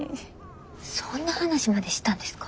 そんな話までしたんですか？